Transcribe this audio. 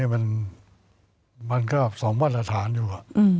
มันก็สองบั้นอาถารณ์อยู่